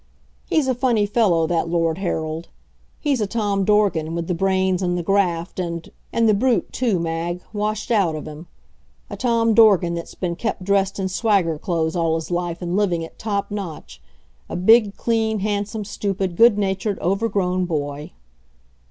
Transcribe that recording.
He's a funny fellow, that Lord Harold. He's a Tom Dorgan, with the brains and the graft and and the brute, too, Mag, washed out of him; a Tom Dorgan that's been kept dressed in swagger clothes all his life and living at top notch a big, clean, handsome, stupid, good natured, overgrown boy.